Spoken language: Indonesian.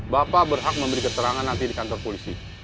bapak berhak memberi keterangan nanti di kantor polisi